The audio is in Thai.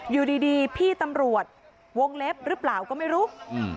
อยู่ดีพี่ตำรวจวงเล็บหรือเปล่าก็ไม่รู้